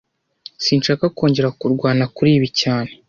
Sinshaka kongera kurwana kuri ibi cyane